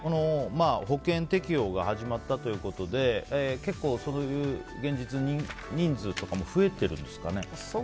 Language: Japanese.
保険適用が始まったということで結構、そういう現実、人数とかも増えてるんですかね。